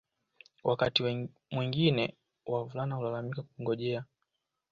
Wakati mwingine wavulana hulazimika kungojea